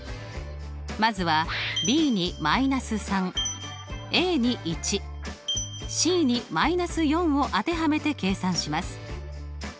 まずはｂに−３に１ｃに−４を当てはめて計算します。